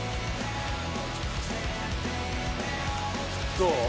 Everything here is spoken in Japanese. どう？